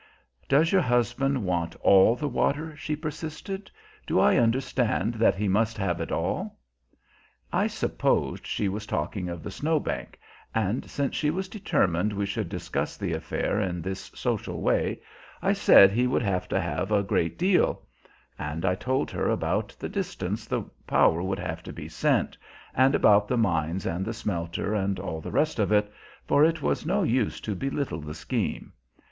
"Does your husband want all the water?" she persisted. "Do I understand that he must have it all?" I supposed she was talking of the Snow Bank, and since she was determined we should discuss the affair in this social way, I said he would have to have a great deal; and I told her about the distance the power would have to be sent, and about the mines and the smelters, and all the rest of it, for it was no use to belittle the scheme.